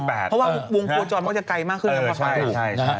เพราะว่าวงค์กลัวจรมักจะไกลมากขึ้นเมื่อก่อนไปนะเออใช่